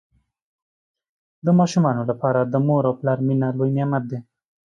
د ماشومانو لپاره د مور او پلار مینه لوی نعمت دی.